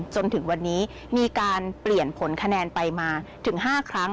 จนถึงวันนี้มีการเปลี่ยนผลคะแนนไปมาถึง๕ครั้ง